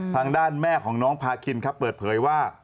ทางด้านแม่ของน้องพาคินครับเปิดเผยว่า